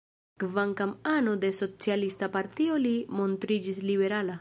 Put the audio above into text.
Kvankam ano de socialista partio li montriĝis liberala.